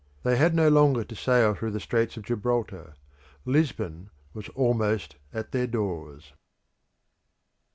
They had no longer to sail through the straits of Gibraltar; Lisbon was almost at their doors.